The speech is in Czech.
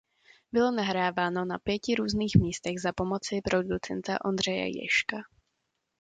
Bylo nahráváno na pěti různých místech za pomoci producenta Ondřeje Ježka.